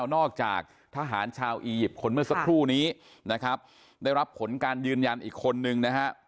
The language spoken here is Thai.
นอกจากทหารชาวอียิปต์คนเมื่อสักครู่นี้นะครับได้รับผลการยืนยันอีกคนนึงนะฮะ